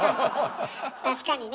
確かにね。